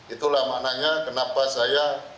itulah maknanya kenapa saya